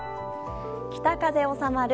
北風収まる。